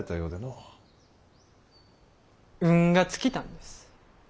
運が尽きたんです。